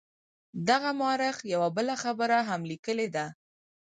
دغه مورخ یوه بله خبره هم لیکلې ده.